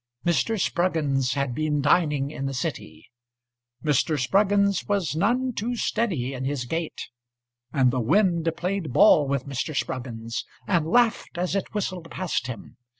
Mr. Spruggins had been dining in the city, Mr. Spruggins was none too steady in his gait, And the wind played ball with Mr. SprugginsAnd laughed as it whistled past him.